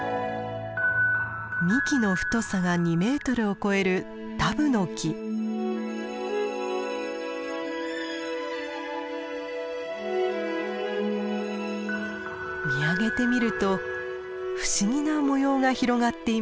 幹の太さが２メートルを超える見上げてみると不思議な模様が広がっています。